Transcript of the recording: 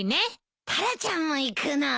タラちゃんも行くの？